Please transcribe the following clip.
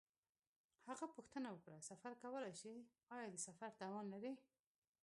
هغه پوښتنه وکړه: سفر کولای شې؟ آیا د سفر توان لرې؟